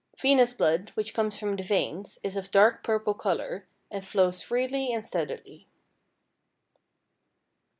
Venous blood, which comes from the veins, is of dark purple color and flows freely and steadily.